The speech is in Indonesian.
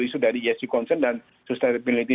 isu dari esg concern dan sustainability